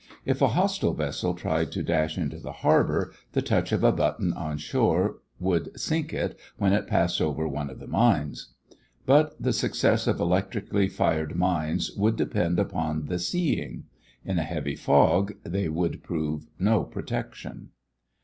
If a hostile vessel tried to dash into the harbor, the touch of a button on shore would sink it when it passed over one of the mines. But the success of electrically fired mines would depend upon the "seeing." In a heavy fog they would prove no protection.